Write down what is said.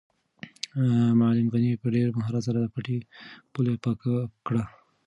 معلم غني په ډېر مهارت سره د پټي پوله پاکه کړه.